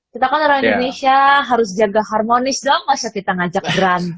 kita kan orang indonesia harus jaga harmonis doang mas ya kita ngajak berantem